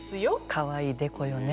かわいいデコよね。